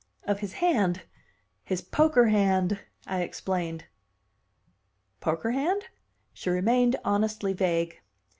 "Of his hand his poker hand," I explained. "Poker hand?" She remained honestly vague.